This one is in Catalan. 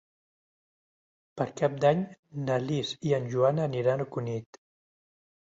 Per Cap d'Any na Lis i en Joan aniran a Cunit.